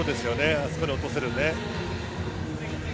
あそこに落とせるね。